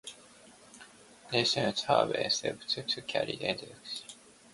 This ensures that children from all backgrounds have access to quality education.